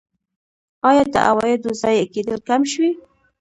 آیا د عوایدو ضایع کیدل کم شوي؟